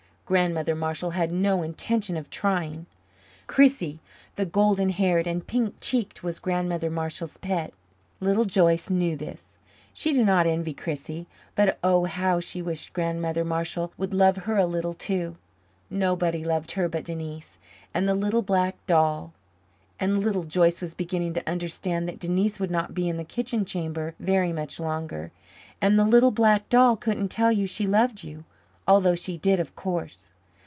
Grandmother Marshall had no intention of trying. Chrissie, the golden haired and pink cheeked, was Grandmother Marshall's pet. Little Joyce knew this. She did not envy Chrissie but, oh, how she wished Grandmother Marshall would love her a little, too! Nobody loved her but Denise and the little black doll. And Little Joyce was beginning to understand that Denise would not be in the kitchen chamber very much longer, and the little black doll couldn't tell you she loved you although she did, of course.